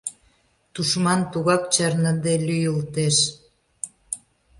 Тушман тугак чарныде лӱйылтеш.